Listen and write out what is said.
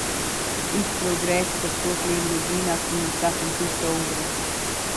Il progress per tuot l’Engiadina ha cumanzà cun quist’ouvra.